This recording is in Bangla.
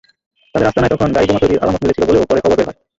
তাদের আস্তানায় তখন গাড়িবোমা তৈরির আলামত মিলেছিল বলেও পরে খবর বের হয়।